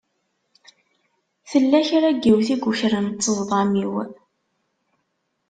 Tella kra n yiwet i yukren ṭṭezḍam-iw.